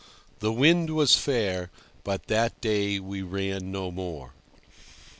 The wind was fair, but that day we ran no more.